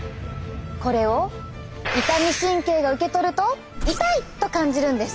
これを痛み神経が受け取ると「痛い！」と感じるんです。